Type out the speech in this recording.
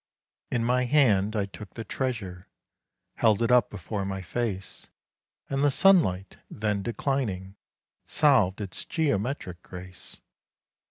In my hand I took the treasure, held it up before my face, And the sunlight, then declining, solved its geometric grace.